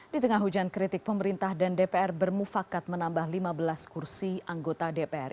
di tengah hujan kritik pemerintah dan dpr bermufakat menambah lima belas kursi anggota dpr